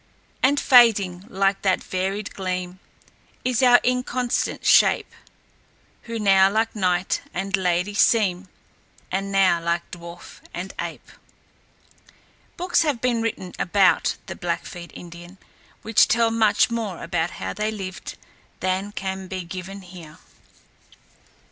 "And fading, like that varied gleam, Is our inconstant shape, Who now like knight and lady seem, And now like dwarf and ape." Books have been written about the Blackfeet Indians which tell much more about how they lived than can be given here.